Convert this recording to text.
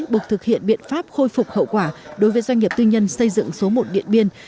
buộc thực hiện biện pháp khôi phục hậu quả đối với doanh nghiệp tư nhân xây dựng số một điện biên